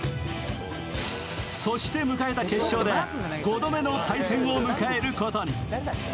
そして迎えた決勝で５度目の対戦を迎えることに。